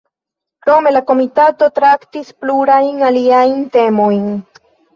Krome la Komitato traktis plurajn aliajn temojn.